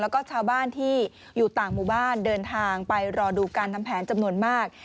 แล้วก็ชาวบ้านที่อยู่ต่างหมู่บ้านเดินทางไปรอดูการทำแผนจำนวนมาก